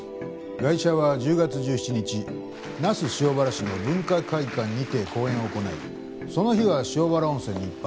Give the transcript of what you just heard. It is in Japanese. ガイシャは１０月１７日那須塩原市の文化会館にて講演を行いその日は塩原温泉に１泊。